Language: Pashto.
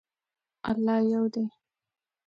الله یو دی